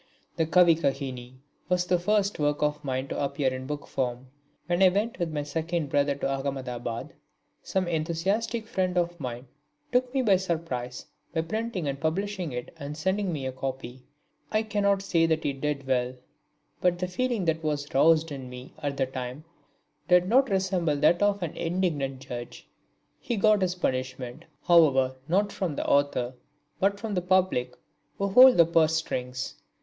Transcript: The Kavikahini was the first work of mine to appear in book form. When I went with my second brother to Ahmedabad, some enthusiastic friend of mine took me by surprise by printing and publishing it and sending me a copy. I cannot say that he did well, but the feeling that was roused in me at the time did not resemble that of an indignant judge. He got his punishment, however, not from the author, but from the public who hold the purse strings.